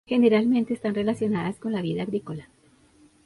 Generalmente están relacionadas con la vida agrícola.